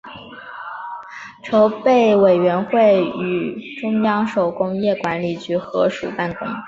筹备委员会与中央手工业管理局合署办公。